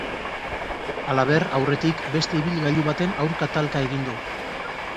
Halaber, aurretik beste ibilgailu baten aurka talka egin du.